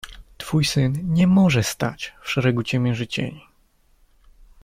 Twój syn niemoże stać w szeregu ciemiężycieli.